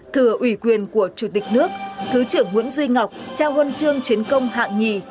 thừa ủy quyền của chủ tịch nước thứ trưởng nguyễn duy ngọc trao huân chương chiến công hạng nhì